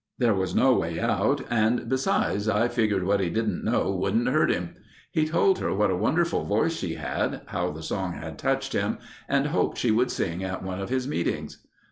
"There was no way out and besides, I figured what he didn't know wouldn't hurt him. He told her what a wonderful voice she had, how the song had touched him and hoped she would sing at one of his meetings.